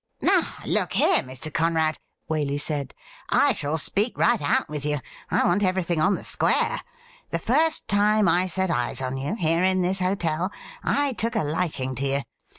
'Now, look here, Mr. Conrad,' Waley said, 'I shall speak right out with you. I want everything on the square. The first time I set eyes on you, here in this hotel, I took a liking to you.